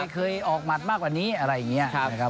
เคยออกหมัดมากกว่านี้อะไรอย่างนี้นะครับ